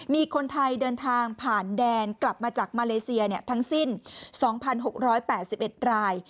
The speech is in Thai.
มีคนไทยเดินทางผ่านแดนกลับมาจากมาเลเซียเนี่ยทั้งสิ้นสองพันหกร้อยแปดสิบเอ็ดราย